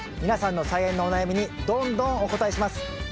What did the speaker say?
皆さんの菜園のお悩みにどんどんお答えします。